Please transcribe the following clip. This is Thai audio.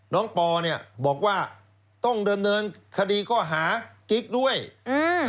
ปอเนี้ยบอกว่าต้องดำเนินคดีข้อหากิ๊กด้วยอืม